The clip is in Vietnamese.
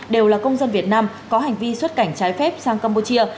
đều là công dân việt nam có hành vi xuất cảnh trái phép sang campuchia